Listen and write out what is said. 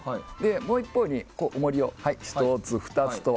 もう一方におもりを１つ２つと